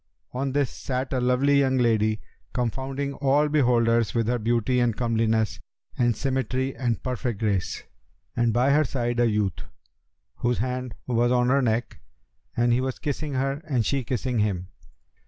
On this sat a lovely young lady, confounding all beholders with her beauty and comeliness and symmetry and perfect grace, and by her side a youth, whose hand was on her neck; and he was kissing her and she kissing him.